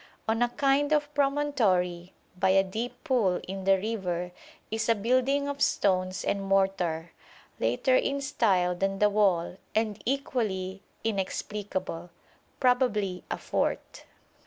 On a kind of promontory by a deep pool in the river is a building of stones and mortar, later in style than the wall and equally inexplicable, probably a fort.